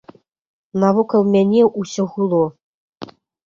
Навакол мяне ўсё гуло.